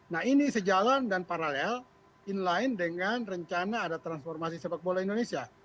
nah ini sejalan dan paralel in line dengan rencana ada transformasi sepak bola indonesia